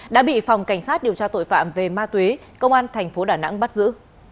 đã bị phòng cảnh sát điều tra tội phạm về ma túy công an tp đà nẵng bắt giữ